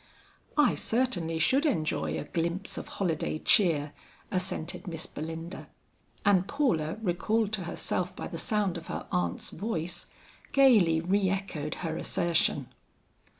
"I certainly should enjoy a glimpse of holiday cheer," assented Miss Belinda. And Paula recalled to herself by the sound of her aunt's voice, gayly re echoed her assertion.